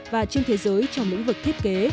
và trên thế giới trong lĩnh vực thiết kế